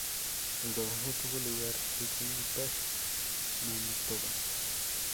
El rodaje tuvo lugar en Winnipeg, Manitoba.